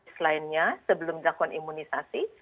selainnya sebelum dilakukan imunisasi